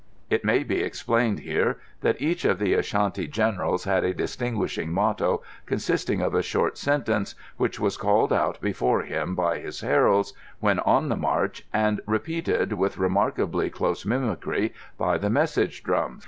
It may be explained here that each of the Ashanti generals had a distinguishing motto, consisting of a short sentence, which was called out before him by his heralds when on the march, and repeated, with remarkably close mimicry, by the message drums.